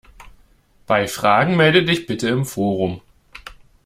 Bei Fragen melde dich bitte im Forum!